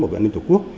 bảo vệ an ninh tổ quốc